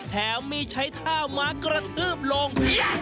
แถวมีใช้ท่าหมากระทืบลง